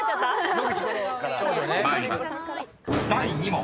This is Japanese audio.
［第２問］